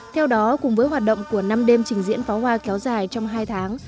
theo đó cùng với hoạt động của năm đêm trình diễn pháo hoa kéo dài trong hai tháng